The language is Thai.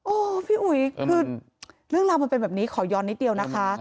โอ้โหพี่อุ๋ยคือเรื่องราวมันเป็นแบบนี้ขอย้อนนิดเดียวนะคะ